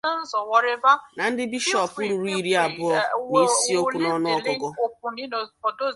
na ndị Bishọọpụ ruru iri abụọ na isii n'ọnụọgụgụ.